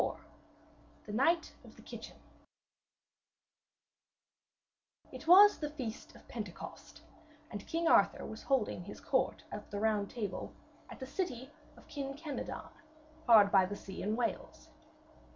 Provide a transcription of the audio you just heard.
IV THE KNIGHT OF THE KITCHEN It was the feast of Pentecost, and King Arthur was holding his court of the Round Table at the city of Kin Kenadon, hard by the sea in Wales.